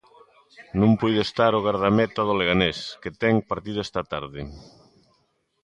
Non puído estar o gardameta do Leganés, que ten partido esta tarde.